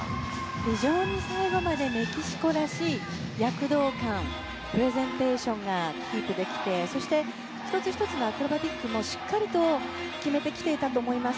非常に最後までメキシコらしい躍動感プレゼンテーションができていてそして１つ１つのアクロバティックもしっかり決めてきていたと思います。